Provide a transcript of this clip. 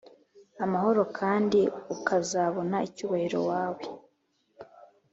amahoro kd ukazabona cyubahiro wawe"